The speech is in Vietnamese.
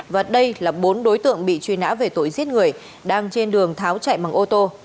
và đây là bốn đối tượng bị truy nã về tội giết người đang trên đường tháo chạy bằng ô tô